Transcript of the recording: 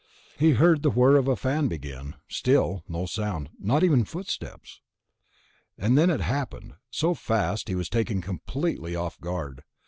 He heard the whir of a fan begin, still no sound, not even footsteps. And then it happened, so fast he was taken completely off guard.